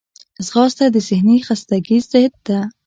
ځغاسته د ذهني خستګي ضد ده